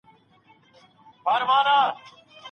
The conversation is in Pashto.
مثبت معلومات مو ژوند ته قوت ورکوي.